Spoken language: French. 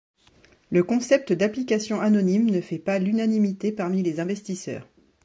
Le concept d'application anonyme ne fait pas l'unanimité parmi les investisseurs.